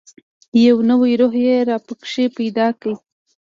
یو نوی روح یې را پکښې پیدا کړ.